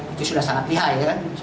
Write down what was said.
itu sudah sangat lihai